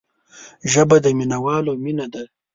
ژبه د مینوالو مینه ده